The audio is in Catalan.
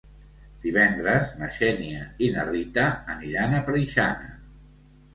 Divendres na Xènia i na Rita aniran a Preixana.